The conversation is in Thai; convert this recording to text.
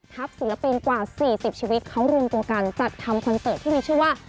ศิลปินกว่า๔๐ชีวิตเขารวมตัวกันจัดทำคอนเสิร์ตที่มีชื่อว่า